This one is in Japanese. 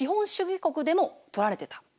国でもとられてた。